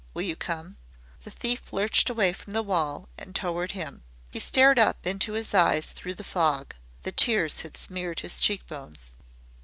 Will you come?" The thief lurched away from the wall and toward him. He stared up into his eyes through the fog. The tears had smeared his cheekbones.